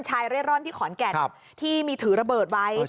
เร่ร่อนที่ขอนแก่นที่มีถือระเบิดไว้